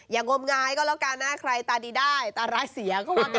งมงายก็แล้วกันนะใครตาดีได้ตาร้ายเสียก็ว่ากัน